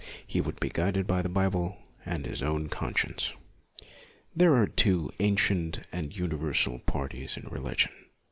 He would be guided by the Bible and his own con science. There are two ancient and universal parties in religion.